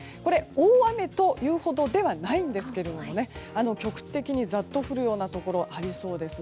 大雨というほどではないんですけども局地的にざっと降るようなところがありそうです。